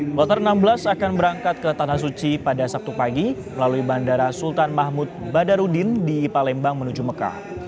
kloter enam belas akan berangkat ke tanah suci pada sabtu pagi melalui bandara sultan mahmud badarudin di palembang menuju mekah